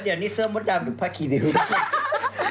เดี๋ยวนี่เสื้อมดดำหรือผ้าขี้ริ้วหรือเปล่า